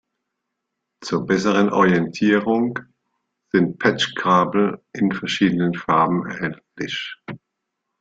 Zur besseren Orientierung sind Patchkabel in verschiedenen Farben erhältlich.